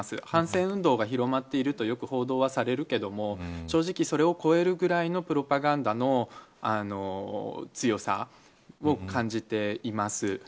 反戦運動が広まっているとよく報道はされるけども正直、それを超えるくらいのプロパガンダの強さを感じています。